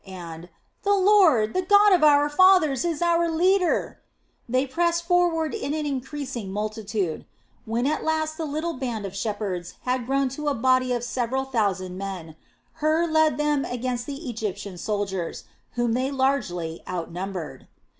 and "The Lord, the God of our fathers, is our leader!" they pressed forward in an increasing multitude. When at last the little band of shepherds had grown to a body of several thousand men, Hur led them against the Egyptian soldiers, whom they largely outnumbered.